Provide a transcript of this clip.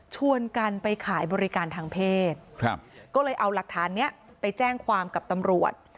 ชวนกันไปขายบริการทางเพศก็เลยเอาหลักฐานนี้ไปแจ้งความกับตำรวจ